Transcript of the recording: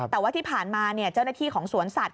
แต่ว่าที่ผ่านมาเจ้าหน้าที่ของสวนสัตว